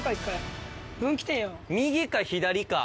右か左か。